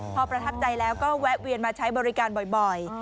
พอประทับใจแล้วก็แวะเวียนมาใช้บริการบ่อย